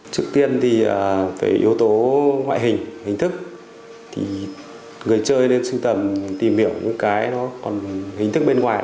trước tiên về yếu tố ngoại hình hình thức người chơi nên tìm hiểu những hình thức bên ngoài